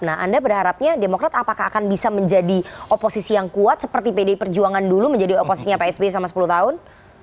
nah anda berharapnya demokrat apakah akan bisa menjadi oposisi yang kuat seperti pdi perjuangan dulu menjadi oposisinya pak sby selama sepuluh tahun